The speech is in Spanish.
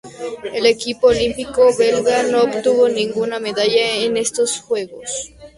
El equipo olímpico belga no obtuvo ninguna medalla en estos Juegos.